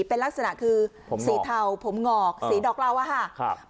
เป็นลักษณะคือผมเหงาสีเทาผมเหงาสีดอกเหล้าอ่ะฮะครับ